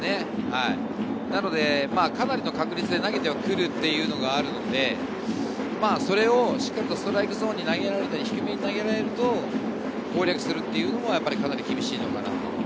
なので、かなりの確率で投げてくるというのがあるので、それをしっかりとストライクゾーンに低めに投げられると、攻略するのはかなり厳しいのかな。